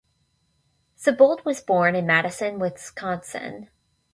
Sebold was born in Madison, Wisconsin.